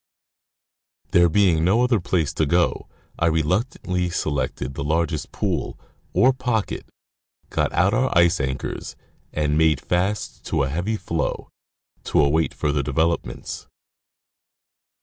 There being no other place to go, I reluctantly selected the largest pool, or pocket, got out our ice anchors, and made fast to a heavy floe, to await further developments.